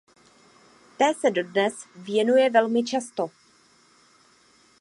Té se dodnes věnuje velmi často.